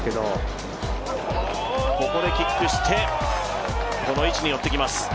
ここでキックして、この位置に寄ってきます。